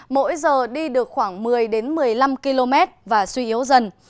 mỗi giờ đi được khoảng một mươi một mươi năm km và suy yếu dần